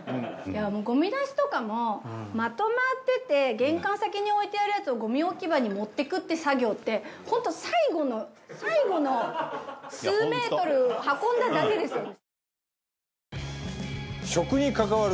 ゴミ出しとかもまとまってて玄関先に置いてあるやつをゴミ置き場に持ってくって作業ってホント最後の最後の数メートルを運んだだけですよね。